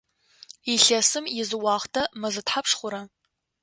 Илъэсым изы уахътэ мэзэ тхьапш хъура?